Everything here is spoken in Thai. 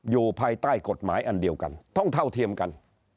อยู่ภายใต้กฎหมายอันเดียวกันต้องเท่าเทียมกัน